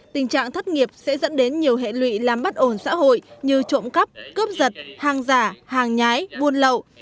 tình trạng thất nghiệp sẽ dẫn đến nhiều hệ lụy làm bất ổn xã hội như trộm cắp cướp giật hàng giả hàng nhái buôn lậu